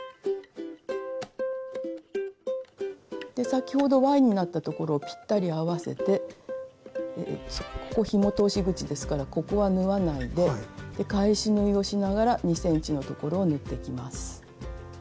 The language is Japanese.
先ほどＹになった所をぴったり合わせてここひも通し口ですからここは縫わないでで返し縫いをしながら２ｃｍの所を縫っていきます。